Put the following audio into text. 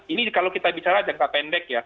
ini kalau kita bicara jangka pendek ya